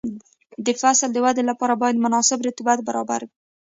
د فصل د ودې لپاره باید مناسب رطوبت برابر وي.